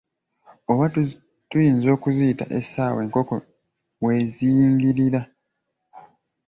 Oba tuyinza okuziyita essaawa enkoko we ziyingirira.